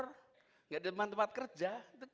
tidak di depan tempat kerja